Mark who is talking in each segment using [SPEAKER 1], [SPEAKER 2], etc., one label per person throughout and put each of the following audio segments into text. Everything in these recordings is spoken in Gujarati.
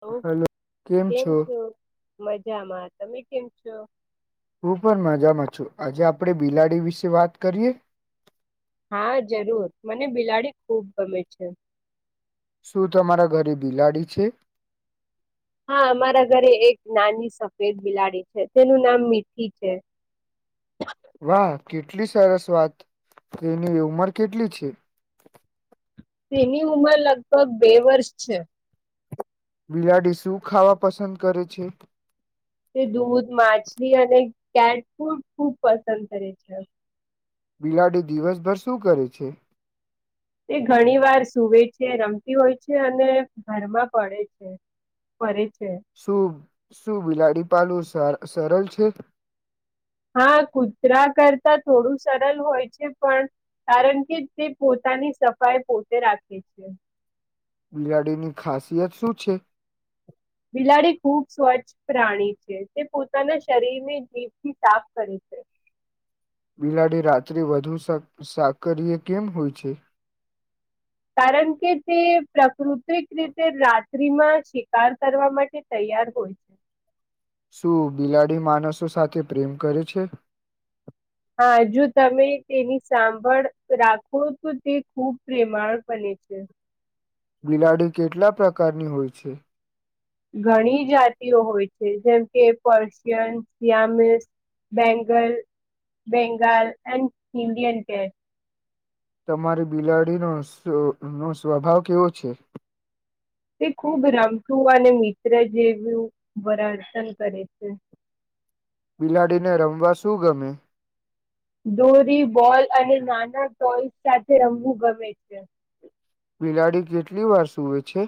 [SPEAKER 1] હ કેમ છો મજામાં તમે કેમ છો?
[SPEAKER 2] હું પણ મજામાં છું આજે આપણે બિલાડી વિશે વાત કરીએ?
[SPEAKER 1] હા જરૂર મને બિલાડી ખૂબ ગમે છે
[SPEAKER 2] શું તમારા ઘરે બિલાડી છે
[SPEAKER 1] હા અમારા ઘરે એક નાની સફેદ બિલાડી છે તેનું નામ મીઠી છે
[SPEAKER 2] [inaudible] વાહ કેટલી સરસ વાત તો એની ઉંમર કેટલી છે
[SPEAKER 1] તેની ઉમર લગભગ બે વર્ષ છે
[SPEAKER 2] બિલાડી શું ખાવા પસંદ કરે છે
[SPEAKER 1] તે દૂધ માછલી અને કેટફૂ ખૂબ પસંદ કરે છે
[SPEAKER 2] બિલાડીુ દિવસભર શું કરે છે
[SPEAKER 1] તે ઘણી વાર સુૂવે છે રમતી હોય છે અને ઘરમાં પડે છે [unintelligible]
[SPEAKER 2] શ શું બિલાડી પાલું સરળ છે
[SPEAKER 1] હા કુતરા કરતા થોડું સરલ હોય છે પણ કારણ કે તે પોતાની સફાઈ પોતે રાખે છે.
[SPEAKER 2] લિયાડીની ખાસિયત શું છે?
[SPEAKER 1] બિલાડી ખૂબ સ્વચ્છ પ્રાણી છે તે પોતાના શરીરને જીભથી સાફ કરે છે.
[SPEAKER 2] [inaudible] બિલાડી રાત્રિ વધુ સાકરીય કેમ હોય છે?
[SPEAKER 1] કારણ કે તે પ્રાકૃતિક રીતે રાત્રિમાં શિકાર કરવા માટે ત તૈયાર હોય છે.
[SPEAKER 2] શું બિલાડી માણસો સાથે પ્રેમ કરે છે?
[SPEAKER 1] હા જો તમે તેની સાંભળ રાખો તો તે ખુબ પ્રેમાળ બને [inaudible]
[SPEAKER 2] બિલાડી કેટલા પ્રકારની હોય છે?
[SPEAKER 1] ઘણી જાતિઓ હોય છે જેમ કે Persian Siamese Bengal Bengal and Indian કે
[SPEAKER 2] તમારી બિલાડીનો નો સ્વભાવ કેવો છે
[SPEAKER 1] તે ખૂબ રામસુ અને મિત્ર જેવું વરાતન કરે છે
[SPEAKER 2] બિલાડીને રમવા શું ગમે
[SPEAKER 1] દોરી બોલ અને નાના ટોય સાથે રમવું ગમે છે
[SPEAKER 2] બિલાડી કેટલી વાર સુવે છે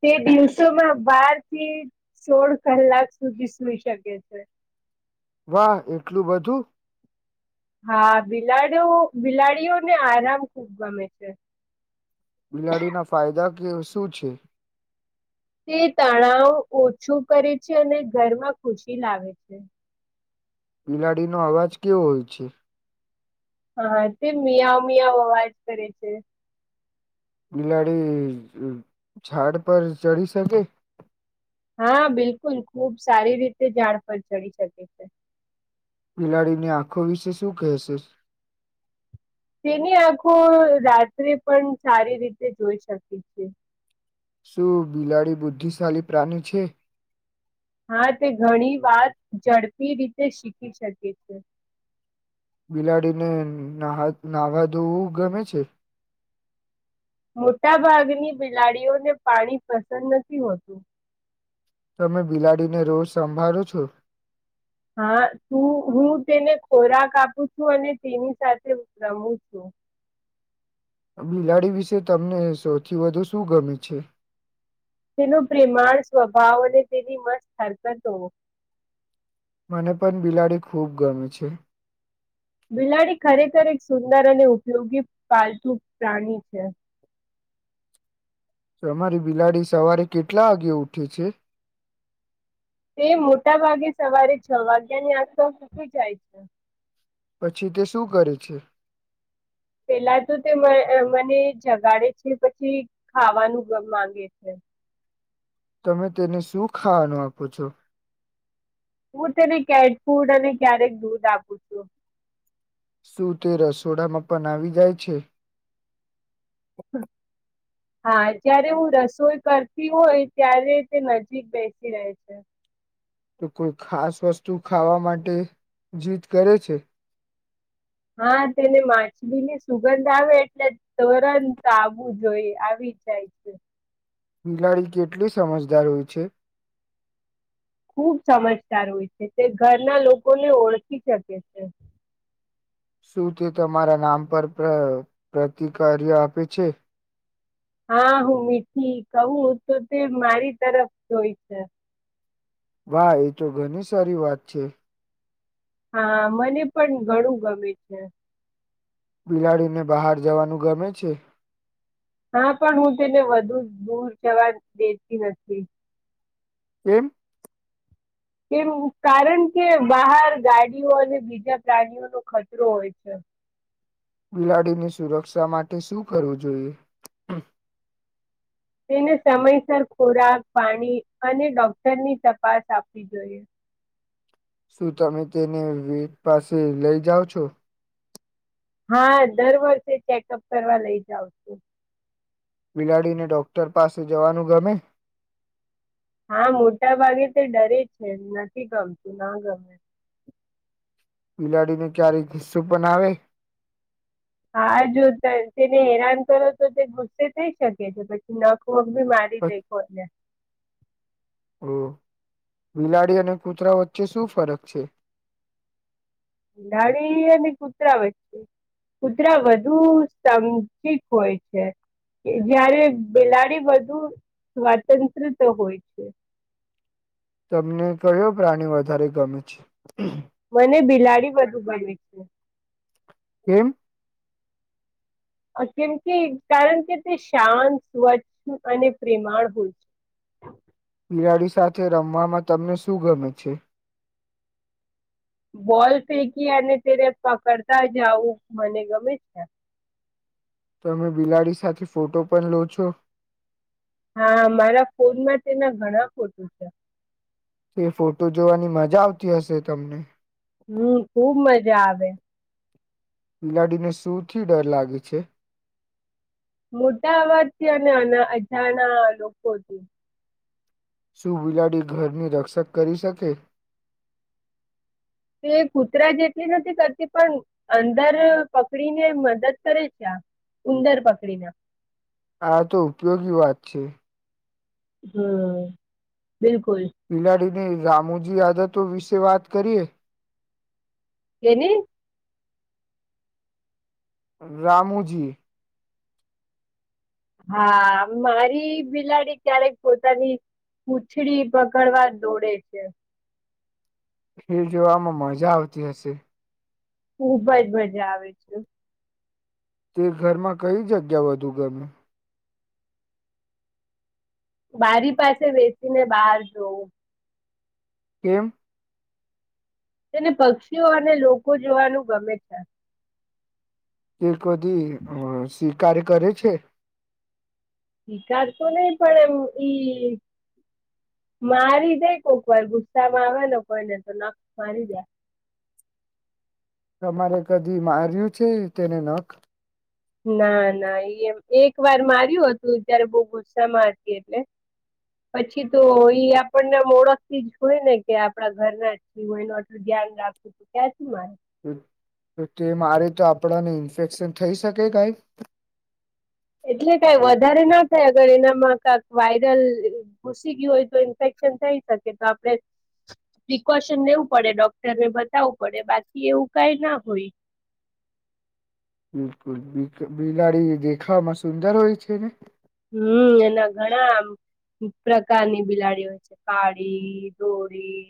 [SPEAKER 1] તે દિવસોમાં બારથી સોળ કલાક સુધી સુઈ શકે છે
[SPEAKER 2] વાહ એટલું બધું
[SPEAKER 1] હા બિલાડીઓ બિલાડીઓને આરામ ખુબ ગમે છે
[SPEAKER 2] બિલાડીના ફાયદા કે શું છે
[SPEAKER 1] તે તણાવ ઓછું કરે છે અને ઘરમાં ખુશી લાવે છે
[SPEAKER 2] બિલાડીનોો અવાજ કેવો હોય છે
[SPEAKER 1] હા તે મિયા મિયાવ અવાજ કરે છે
[SPEAKER 2] બિલાડી ઝાડ પર ચડી શકે
[SPEAKER 1] હા બિલકુલ ખુબ સારી રીતે જાણ પર ચડી શકે છે
[SPEAKER 2] બિલાડીની આંખો વિશે શું કહેશે
[SPEAKER 1] તેની આંખો રાત્રે પણ સારી રીતે જોઈ શકી છે
[SPEAKER 2] શું બિલાડી બુદ્ધિશાળલીી પ્રાણી છે
[SPEAKER 1] હા તે ઘણી વાત ઝડપી રીતે શીખી શકે છે
[SPEAKER 2] બિલાડીને નાહ નાહવા દોવું ગમે છે
[SPEAKER 1] મોટા ભાગની બિલાડીઓને પાણી પસંદ નથી હોતું
[SPEAKER 2] તમે બિલાડીને રોજ સંભાળો છો
[SPEAKER 1] હા તું હું તેને ખોરાક આપું છું અને તેની સાથે રમું છું
[SPEAKER 2] બિલાડી વિશે તમને સૌથી વધુ શું ગમે છે
[SPEAKER 1] તેનું પ્રેમાણ સ્વભાવ અને તેની મત હરકતો
[SPEAKER 2] મને પણ બિલાડી ખૂબ ગમે છે
[SPEAKER 1] બિલાડી ખરેખર એક સુંદર અને ઉપયોગી પાલતુ પ્રાણી છે
[SPEAKER 2] [inaudible] તમારી બિલાડી સવારે કેટલા વાગે ઉઠે છે
[SPEAKER 1] તે મોટા ભાગે સવારે છ વાગ્યાની આસ તો ઉઠી જાય છે
[SPEAKER 2] પછી તે શું કરે છે
[SPEAKER 1] પેલા તો તે મને જગાડે છે પછી ખાવાનું માંગે છે
[SPEAKER 2] તમે તેને શું ખાવાનું આપો છો
[SPEAKER 1] હું તેને કેટ ફૂડ અને ક્યારેક દૂધ આપું છું
[SPEAKER 2] શું તે રસોડામાં પણ આવી જાય છે
[SPEAKER 1] હા જયારે હું રસોઈ કરતી હોય ત્યારે તે નજીક બેસી રહે છે
[SPEAKER 2] તો કોઈ ખાસ વસ્તુ ખાવા માટે જીદ કરે છે
[SPEAKER 1] હા તેને માછલી ની સુગંધ આવે એટલે તરંત આવવું જોઈ આવી થાનક યૂ
[SPEAKER 2] બિલાડી કેટલી સમજદાર હોય છે
[SPEAKER 1] ખૂબ સમજદાર હોય છે તે ઘરના લોકોને ઓળખી શકે છે
[SPEAKER 2] શું તે તમારા નામ પર પ્રતિકાર્ય આપે છે
[SPEAKER 1] હા હું મીઠી કવું તો તે મારી તરફ જોય છે
[SPEAKER 2] વાહ એ તો ઘણી સારી વાત છે
[SPEAKER 1] હા મને પણ ઘણું ગમે છે
[SPEAKER 2] બિલાડીને બહાર જવાનું ગમે છે
[SPEAKER 1] હા પણ હું તેને વધુ દૂર જવા દેતી નથી
[SPEAKER 2] [unintelligible]
[SPEAKER 1] કેમ કારણ કે બહાર ગાડીઓ અને બીજા પ્રાણીઓનો ખતરો હોય છે
[SPEAKER 2] [inaudible] બિલાડીની સુરક્ષા માટે શું કરવું જોઈએ
[SPEAKER 1] તેને સમયસર ખોરાક પાણી અને ડોક્ટરની તપાસ આપવી જોઈએ
[SPEAKER 2] [inaudible] શું તમે તેને વીટ પાસે લઈ જાઓ છો
[SPEAKER 1] હા દર વર્ષે ચેકઅપ કરવા લઇ જઉ છું
[SPEAKER 2] બિલાડીને ડોક્ટર પાસે જવાનું ગમે
[SPEAKER 1] હા મોટા ભાગે તે ડરે છે નથી ગમતું ના ગમે
[SPEAKER 2] બિલાડીને ક્યારે ગુસ્સો પણ આવે
[SPEAKER 1] હા જો તેને હેરાન કરો તો તે ગુસ્સે થઈ શકે છે પછી ન પગ બી મારી દેખો એને
[SPEAKER 2] ઓહ બિલાડી અને કૂતરા વચ્ચે શું ફરક છે
[SPEAKER 1] બિલાડી અને કૂતરા વચ્ચે કુતરા વધુ સમજીક હોય છે જયારે બિલાડી બહુ સ્વતંત્ર હોય છે
[SPEAKER 2] તમને કયો પ્રાણી વધારે ગમે છે
[SPEAKER 1] મને બિલાડી વધુ ગમે છે
[SPEAKER 2] કેમ
[SPEAKER 1] કેમ કે કારણ કે તે શાંત સ્વચ્છ અને પ્રેમાળ હોય છે
[SPEAKER 2] [inaudible] બિલાડી સાથે રમવામાં તમને શું ગમે છે
[SPEAKER 1] બોલ ફેંકી અને તેને પકડતા જ આવું મને ગમે છે
[SPEAKER 2] તમે બિલાડી સાથે ફોટો પણ લો છો
[SPEAKER 1] હા મારા ફોનમાં તેના ઘણા ફોટો છે
[SPEAKER 2] એ ફોટો જોવાની મજા આવતી હશે તમને
[SPEAKER 1] હમ ખુબ મજા આવે
[SPEAKER 2] બિલાડીને સુુંથી ડર લાગે છે
[SPEAKER 1] મોટા અવાજથી અને અજાણા લોકોથી
[SPEAKER 2] શું બિલાડી ઘરની રક્ષક કરી શકે
[SPEAKER 1] તે કૂતરા જેટલી નથી કરતી પણ અંદર પકડીને મદદ કરે છે આ ઉંદર પકડીને
[SPEAKER 2] આ તો ઉપયોગી વાત છે
[SPEAKER 1] હમ બિલકુલ
[SPEAKER 2] બિલાડીની રામુજી આદતો વિશે વાત કરીએ
[SPEAKER 1] તેની
[SPEAKER 2] રામુજી
[SPEAKER 1] હા, મારી બિલાડી ક્યારેક પોતાની પૂછડી બગડવા દોડે છે.
[SPEAKER 2] ફીર, જોવામાં મજા આવતી હશે.
[SPEAKER 1] ખૂબ જ મજા આવે છે.
[SPEAKER 2] તે ઘરમાં કઈ જગ્યા વધુ ગમે છે
[SPEAKER 1] બારી પાસે બેસીને બહાર જોવું.
[SPEAKER 2] કેમ?
[SPEAKER 1] તેને પક્ષીઓ અને લોકો જોવાનું ગમે છે.
[SPEAKER 2] એ કદી શિકાર કરે છે?
[SPEAKER 1] શિકાર તો નહી, પણ એમ ઈ મારી દયે કોક વાર ગુસ્સામાં આવે કોઈને તો નખ મારી જાય.
[SPEAKER 2] તમારે કદી માર્યું છે, તેને નખ
[SPEAKER 1] ના-ના એમ એક વાર માર્યું હતું. ત્યારે બો ગુસ્સામાં હતી એટલે પછી તો ઈ આપણને ઓળખ થી જ હોય, ને કે આપણા ઘરના જ હોયનું આટલું ધ્યાન રાખું છું. ક્યાંથી મારે.
[SPEAKER 2] તો તે મારે તો આપણાને ઇન્ફેક્શન થઈ શકે. કઈ
[SPEAKER 1] એટલે કઈ વધારે ના થાય અગર એનામાં કંઈક વાયરલ ઘુસી ગયું હોય, તો ઇન્ફેક શ થઈ શકે, તો આપણને પ્રિકોશન લેવું પડે ડોક્ટરને બતાવવું પડે, બાકી એવું કઈ ના હોય.
[SPEAKER 2] બિલકુલ બિલાડી દેખાવામાં સુંદર હોય છે, ને?
[SPEAKER 1] હમ્મ, એના ઘણા આમ પ્રકારની બિલાડી હોય છે. કાળી, ધોળી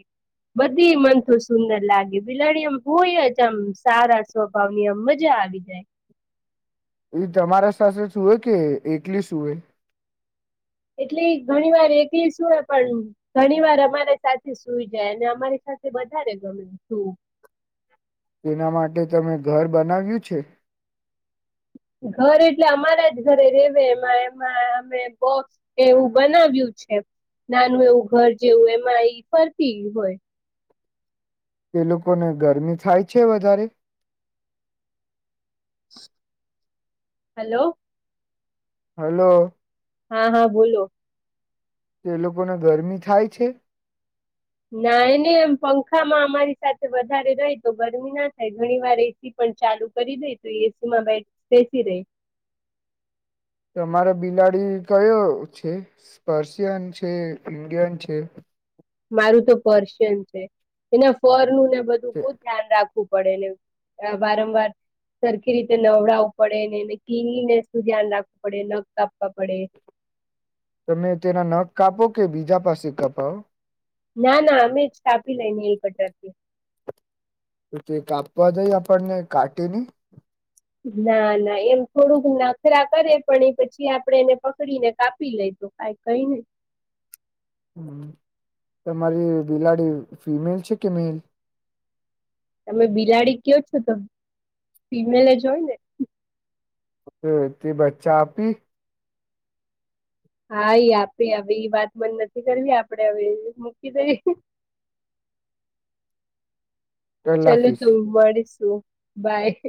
[SPEAKER 1] બધી મનેતો સુંદર લાગે બિલાડી આમ હોય જ, આમ સારા સ્વભાવની આમ મજા આવી જાય.
[SPEAKER 2] એ તમારા સાથે સોય કે એકલી સોય?
[SPEAKER 1] એટલી ઘણી વાર એલી સુય પણ ઘણી વાર અમારે સાથે સુઈ જાય અને અમારી વધારે ગમે તું
[SPEAKER 2] [inaudible] એના માટે તમે ઘર બનાવ્યું છે?
[SPEAKER 1] ઘર એટલે અમારા જ ઘરે રેવે એમાં અમે બો એવું બનાવ્યું છે. નાનું એવું ઘર જેવું એમાં એઈ ફરતી હોય.
[SPEAKER 2] એ લોકોને ગરમી થાય છે, વધારે
[SPEAKER 1] હેલો.
[SPEAKER 2] હલો.
[SPEAKER 1] હા, હા, બોલો.
[SPEAKER 2] કે એ લોકોને ગરમી થાય છે?
[SPEAKER 1] ના, એને એમ પંખામાં અમારી સાથે વધારે રહી તો ગરમી ના થાય ઘણી વાર એસી પ પણ ચાલુ કરી દે તો એસીમાં બેસી રેય.
[SPEAKER 2] [inaudible] તમારે બિલાડી કયો છે પર્શિયન છે? ઈન્ડિયન છે?
[SPEAKER 1] મારું તો પર્શિયન છે એના ફરનું ને બધું બો ધ્યાન રાખ પડેને વારંવાર સરખી રીતે નવડાવવું પડે ને એને કીનીને ધ્યાન રાખવું પડે નખ કાપવા પડે
[SPEAKER 2] તમે તેના નખ કાપો? કે બીજા પાસે કપાવ
[SPEAKER 1] ના-ના અમે જ કાપી લઈને કટરથી
[SPEAKER 2] તો તે કાપવા દઈ આપણને કાટે ની
[SPEAKER 1] ના-ના એમ થોડુંક નાખરા કરે પણ એ પછી આપણને એને પકડીને કાપી લેય કઈ નહીં
[SPEAKER 2] હમ તમારી બિલાડી ફિમેલ છે કે મેલ?
[SPEAKER 1] તમે બિલાડી કયો છો ત ફિમેલ જ હોય ને
[SPEAKER 2] તે બચ્ચા આપી
[SPEAKER 1] હા ઈ આપે હ ઈ વાત મન નથી કરવી આપડે હવે મૂકી દઈ
[SPEAKER 2] [inaudible] તો
[SPEAKER 1] ચાલ
[SPEAKER 2] લાફીશ
[SPEAKER 1] તું મળીશું બાય